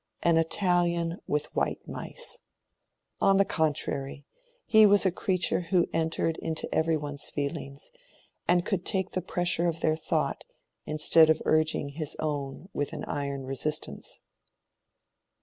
An Italian with white mice!—on the contrary, he was a creature who entered into every one's feelings, and could take the pressure of their thought instead of urging his own with iron resistance.